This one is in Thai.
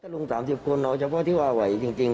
ลงสามสิบคนน้องเฉพาะที่ว่าไหวจริงจริง